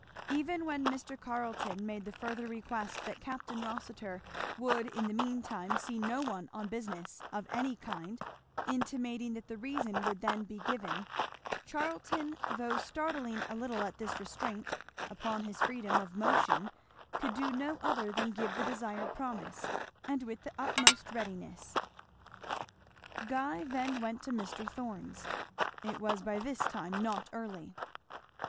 Even when Mr. Carleton made the further request that Capt. Rossitur would in the mean time see no one on business, of any kind, intimating that the reason would then be given, Charlton though startling a little at this restraint upon his freedom of motion could do no other than give the desired promise, and with the utmost readiness. Guy then went to Mr. Thorn's. It was by this time not early.